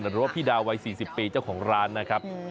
แต่รู้ปุ๊พี่ดาวัย๔๐ปีเหล่าเจ้าของร้านนะครับ